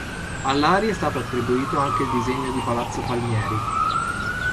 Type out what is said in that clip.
A Lari è stato attribuito anche il disegno di palazzo Palmieri.